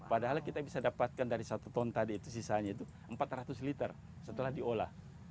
padahal kita bisa dapatkan dari satu ton tadi itu sisanya itu empat ratus liter setelah diolah